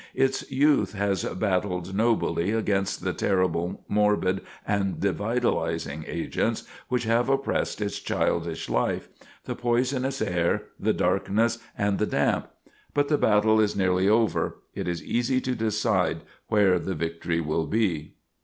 Its youth has battled nobly against the terrible morbid and devitalizing agents which have oppressed its childish life the poisonous air, the darkness, and the damp; but the battle is nearly over it is easy to decide where the victory will be."